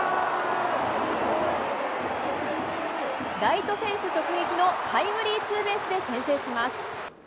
ライトフェンス直撃のタイムリーツーベースで先制します。